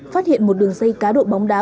phát hiện một đường dây cá độ bóng đá